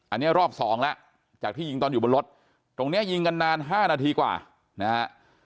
อันนี้รอบสองแล้วจากที่ยิงตอนอยู่บนรถตรงนี้ยิงกันนาน๕นาทีกว่านะฮะ